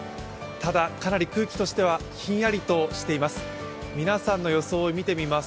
ただかなり空気としてはひんやりとしています。